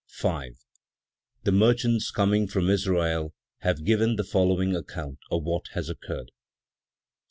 5. The merchants coming from Israel have given the following account of what has occurred: II.